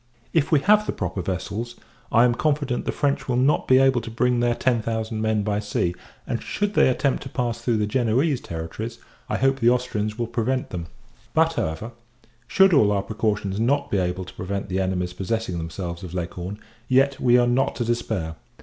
If we have the proper vessels, I am confident, the French will not be able to bring their ten thousand men by sea; and; should they attempt to pass through the Genoese territories, I hope the Austrians will prevent them: but, however, should all our precautions not be able to prevent the enemy's possessing themselves of Leghorn, yet we are not to despair.